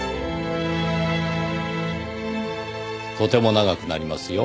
とても長くなりますよ。